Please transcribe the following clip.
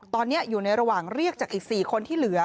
ตอนนี้อยู่ในระหว่างเรียกจากอีก๔คนที่เหลือ